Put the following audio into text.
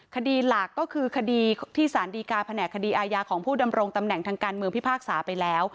คดีหลักก็คือคดีที่สารดีการแผนกคดีอาญาของผู้ดำรงตำแหน่งทางการเมืองพิพากษาไปแล้ว